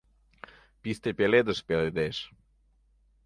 Писте пеледыш пеледеш.